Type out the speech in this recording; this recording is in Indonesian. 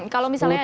kalau misalnya ada